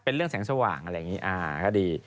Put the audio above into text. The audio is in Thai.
เรื่องแสงสว่างอะไรอย่างนี้ก็ดี